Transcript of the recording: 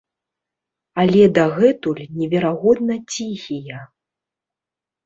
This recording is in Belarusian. Але дагэтуль неверагодна ціхія.